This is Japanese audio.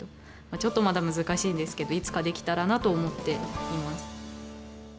ちょっとまだ難しいんですけどいつかできたらなと思っています。